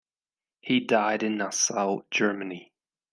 He died in Nassau, Germany.